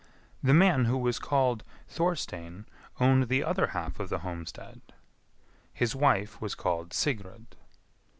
The man who was called Thorstein owned the other half of the homestead. His wife was called Sigrid.